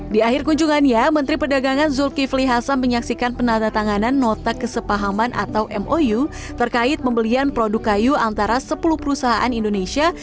di akhir kunjungannya menteri perdagangan zulkifli hasan menyaksikan penandatanganan nota kesepahaman atau mou terkait pembelian produk kayu antara sepuluh perusahaan indonesia